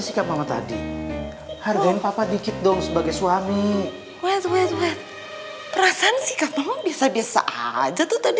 sikap mama tadi hargain papa dikit dong sebagai suami perasaan sikap mama bisa biasa biasa aja tuh tadi